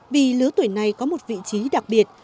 vì lứa tuổi này có một vị trí đặc biệt